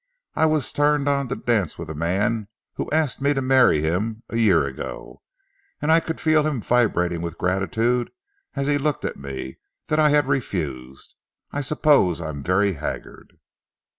I was turned on to dance with a man who asked me to marry him, a year ago, and I could feel him vibrating with gratitude, as he looked at me, that I had refused. I suppose I am very haggard."